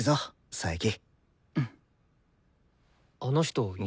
佐伯？